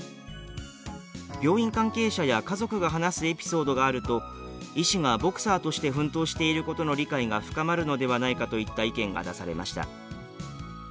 「病院関係者や家族が話すエピソードがあると医師がボクサーとして奮闘していることの理解が深まるのではないか」といった意見が出されました。